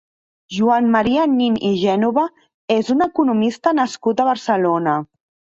Joan Maria Nin i Gènova és un economista nascut a Barcelona.